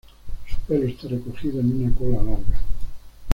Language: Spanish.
Su pelo está recogido en una cola larga.